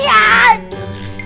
saya mau latihan